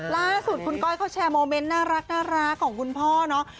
ล่าสุดคุณก้อยเขาแชร์โมเมนต์น่ารักของคุณพ่อเนาะ